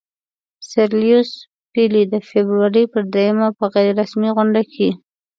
سر لیویس پیلي د فبرورۍ پر دریمه په غیر رسمي غونډه کې.